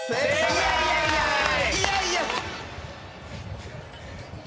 いやいやいやいやいや！